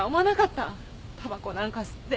たばこなんか吸って。